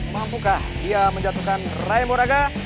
mampukah dia menjatuhkan ray moraga